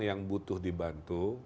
yang butuh dibantu